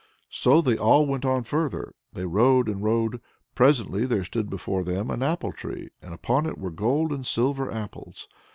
So they all went on further. They rode and rode; presently there stood before them an apple tree, and upon it were gold and silver apples.